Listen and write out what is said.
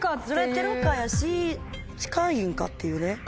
ズレてるかやし近いんかっていうね